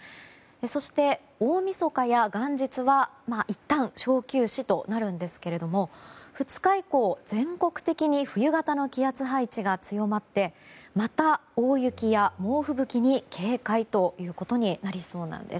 そして、大みそかや元日はいったん小休止となるんですけども２日以降全国的に冬型の気圧配置が強まって、また大雪や猛吹雪に警戒ということになりそうです。